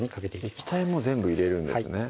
液体も全部入れるんですね